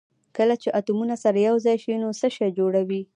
کله چې اتومونه سره یو ځای شي نو څه شی جوړوي